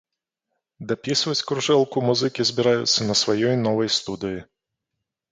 Дапісваць кружэлку музыкі збіраюцца на сваёй новай студыі.